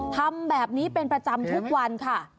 ทำแบบนี้เป็นประจำทุกวันค่ะ